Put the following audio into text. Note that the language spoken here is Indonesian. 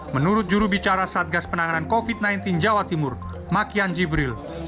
menurut jurubicara satgas penanganan covid sembilan belas jawa timur makian jibril